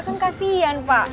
kan kasian pak